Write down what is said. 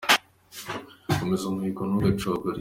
Komeza imihigo ntugacogore.